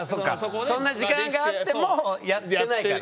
そんな時間があってもやってないから。